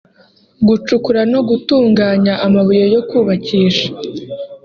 gucukura no gutunganya amabuye yo kubakisha